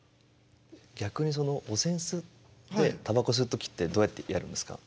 いや逆にお扇子ってたばこ吸う時ってどうやってやるんですか。